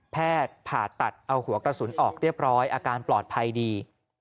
แพทย์ผ่าตัดเอาหัวกระสุนออกเรียบร้อยอาการปลอดภัยดี